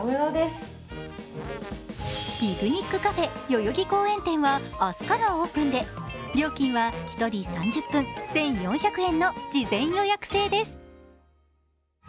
代々木公園店は明日からオープンで料金は一人３０分１４００円の事前予約制です。